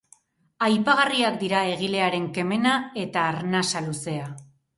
Aipagarriak dira egilearen kemena eta arnasa luzea.